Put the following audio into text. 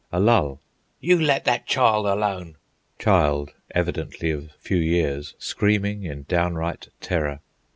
A lull; "You let that child alone!" child, evidently of few years, screaming in downright terror.